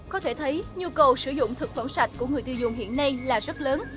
có thể thấy nhu cầu sử dụng thực phẩm sạch của người tiêu dùng hiện nay là rất lớn